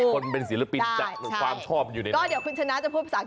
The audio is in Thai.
คนเป็นศิลปินแต่ว่าความชอบอยู่ในนั้น